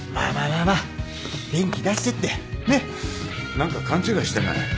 何か勘違いしてない？